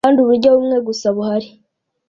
kandi uburyo bumwe gusa buhari